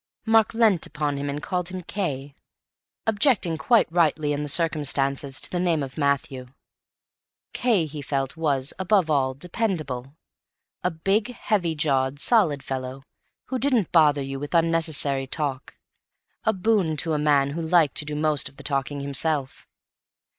Mark leant upon him and called him "Cay," objecting quite rightly in the circumstances to the name of Matthew. Cay, he felt was, above all, dependable; a big, heavy jawed, solid fellow, who didn't bother you with unnecessary talk—a boon to a man who liked to do most of the talking himself.